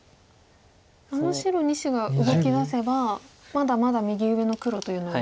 あの白２子が動きだせばまだまだ右上の黒というのは。